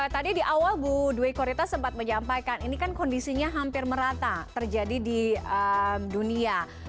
tadi di awal bu dwi korita sempat menyampaikan ini kan kondisinya hampir merata terjadi di dunia